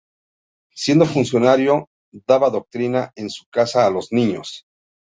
Siendo funcionario, daba doctrina en su casa a los niños.